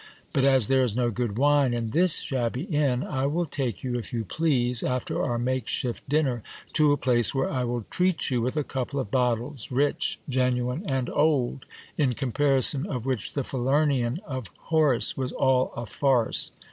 But as there is no good wine in this shabby inn, I will take you, if you please, after our make shift dinner, to a place where I will treat you with a couple of bottles, rich, genuine, and old, in comparison of which the Falernian of Horace was all a farce.